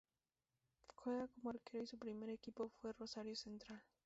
Juega como arquero y su primer equipo fue Rosario Central.